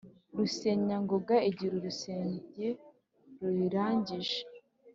rusenyangogo igira urusenge ruyirangije.